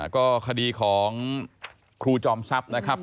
ก็คดีของครูจอมซับนะครับ